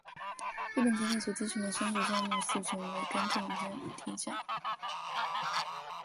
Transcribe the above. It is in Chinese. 日本潜艇所击沉的商船吨位中四成是该种艇创下。